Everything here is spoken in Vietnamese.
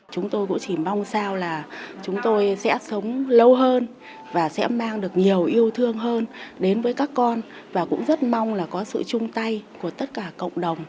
chúng tôi cũng chỉ mong sao là chúng tôi sẽ sống lâu hơn và sẽ mang được nhiều yêu thương hơn đến với các con và cũng rất mong là có sự chung tay của tất cả cộng đồng